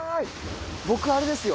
僕あれですよ